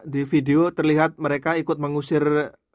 di video terlihat mereka ikut mengusir